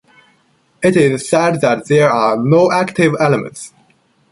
It is said that there are no active elements.